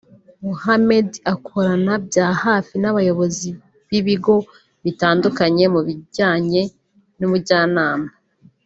Mohamed akorana bya hafi n’abayobozi b’ibigo bitandukanye mu bijyanye n’ubujyanama